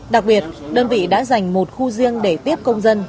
đặc biệt đơn vị đã dành một khu riêng để tiếp công dân